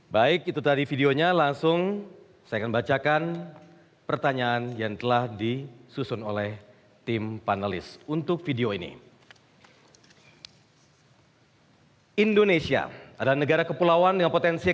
baik itu tadi videonya langsung saya akan bacakan pertanyaan yang telah di susun oleh tim panelists